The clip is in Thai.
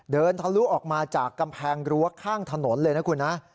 ทะลุออกมาจากกำแพงรั้วข้างถนนเลยนะคุณนะ